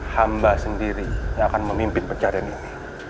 hamba sendiri yang akan memimpin pencarian ini